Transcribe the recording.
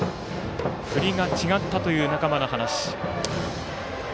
振りが違ったという仲間の話。